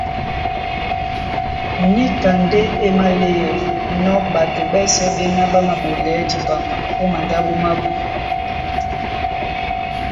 Níka ndé é máléanɔ́ ɓato ɓɛ́sɛ̄ ɓéná ɓá māɓolɛɛ́ dipama ó mandáɓo mábū;